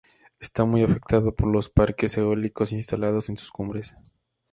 Está muy afectada por los parques eólicos instalados en sus cumbres.